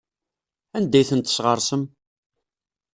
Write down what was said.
Anda ay ten-tesɣersem?